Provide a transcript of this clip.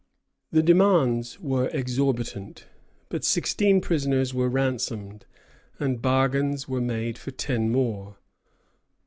The demands were exorbitant, but sixteen prisoners were ransomed, and bargains were made for ten more.